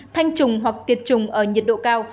thanh trùng hoặc tiệt trùng ở nhiệt độ cao